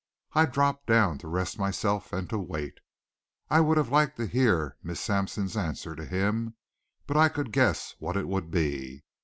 I dropped down to rest myself and to wait. I would have liked to hear Miss Sampson's answer to him. But I could guess what it would be.